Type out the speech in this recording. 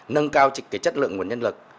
nâng cao trịnh cái chất lượng nguồn nhân lực